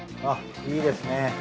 あ、いいですね。